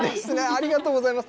ありがとうございます。